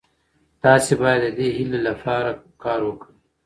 تاسي باید د دې هیلې لپاره کار وکړئ.